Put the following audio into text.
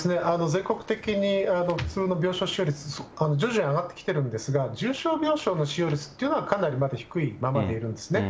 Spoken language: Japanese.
全国的に普通の病床使用率、徐々に上がってきてるんですが、重症病床の使用率というのは、かなりまだ低いままでいるんですね。